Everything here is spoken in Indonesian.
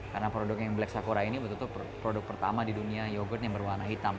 karena produk yang black sakura ini betul betul produk pertama di dunia yogurt yang berwarna hitam